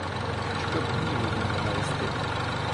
Щоб гніву їм не навести.